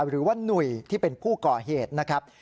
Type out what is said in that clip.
หรือว่าหนุ่ยที่เป็นผู้ก่อเหตุนะครับ